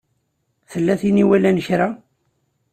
Tella tin i iwalan kra?